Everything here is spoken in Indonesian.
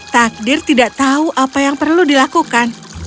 takdir tidak tahu apa yang perlu dilakukan